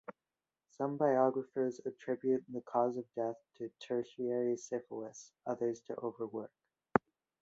Some biographers attribute the cause of death to tertiary syphilis, others to overwork.